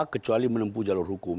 kecuali menempuh jalur hukum